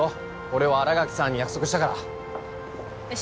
俺は新垣さんに約束したからねえ